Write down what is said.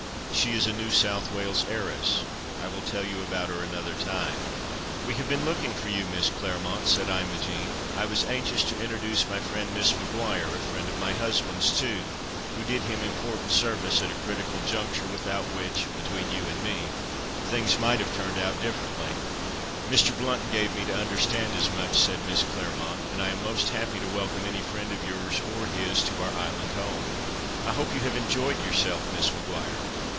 She is a New South Wales heiress. I will tell you about her another time." "We have been looking for you, Miss Claremont," said Imogen. "I was anxious to introduce my friend, Miss Maguire, a friend of my husband's, too, who did him important service at a critical juncture without which (between you and me) things might have turned out differently." "Mr. Blount gave me to understand as much," said Miss Claremont, "and I am most happy to welcome any friend of yours or his to our island home. I hope you have enjoyed yourself, Miss Maguire?"